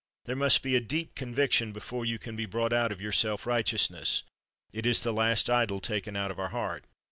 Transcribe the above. There must be a deep conviction before you can be brought out of your self righteousness ; it is the last idol taken out of our heart.